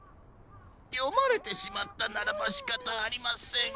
よまれてしまったならばしかたありません。